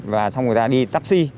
và xong rồi ta đi taxi